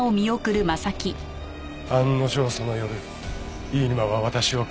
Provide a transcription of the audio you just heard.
案の定その夜飯沼は私を脅迫してきて。